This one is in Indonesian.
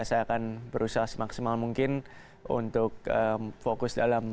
jadi saya akan berusaha semaksimal mungkin untuk fokus dalam